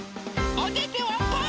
おててはパー！